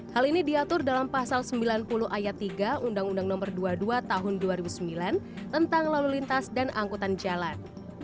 hal ini diatur dalam pasal sembilan puluh ayat tiga undang undang nomor dua puluh dua tahun dua ribu sembilan tentang lalu lintas dan angkutan jalan